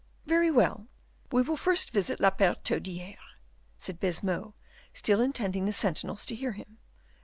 "Very well; we will first visit la Bertaudiere," said Baisemeaux, still intending the sentinels to hear him.